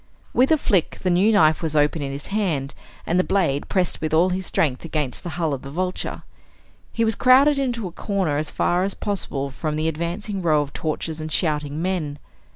With a flick the new knife was open in his hand and the blade pressed with all his strength against the hull of the Vulture. He was crowded into a corner as far as possible from the advancing row of torches and shouting men.